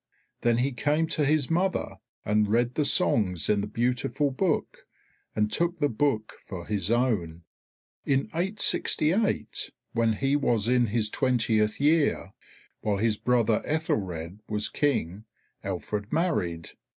Then he came to his mother, and read the songs in the beautiful book and took the book for his own. In 868, when he was in his twentieth year, while his brother Aethelred was King, Alfred married.